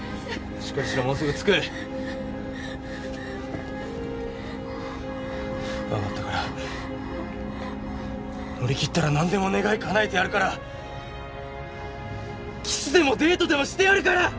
しっかりしろもうすぐ着く分かったから乗り切ったら何でも願いかなえてやるからキスでもデートでもしてやるから！